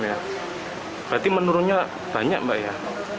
berarti menurunnya banyak mbak ya